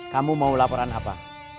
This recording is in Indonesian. kamu mau laporan apa